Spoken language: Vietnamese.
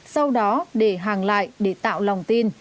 sau đó để hàng lại để tạo lòng tin